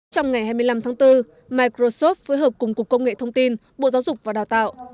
trong ngày hai mươi năm tháng bốn microsoft phối hợp cùng cục công nghệ thông tin bộ giáo dục và đào tạo